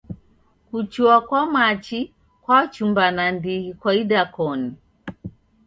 Kuchua kwa machi kwachumba nandighi kwa idakoni.